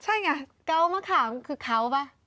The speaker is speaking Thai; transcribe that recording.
ใช่ไงอเรนนี่เก้ามะขามคือเขาป่ะ